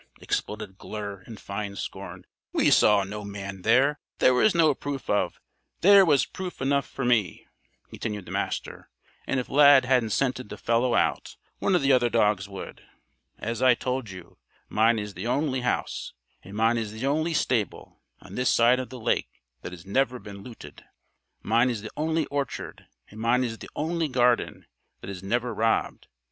exploded Glure in fine scorn. "We saw no man there. There was no proof of " "There was proof enough for me," continued the Master. "And if Lad hadn't scented the fellow one of the other dogs would. As I told you, mine is the only house and mine is the only stable on this side of the lake that has never been looted. Mine is the only orchard and mine is the only garden that is never robbed.